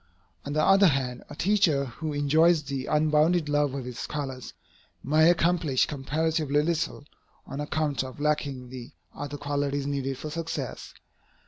On the other hand, a teacher who enjoys the unbounded love of his scholars, may accomplish comparatively little, on account of lacking the other qualities needed for success.